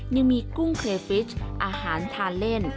ยังมีกุ้งเครฟิชอาหารทานเล่น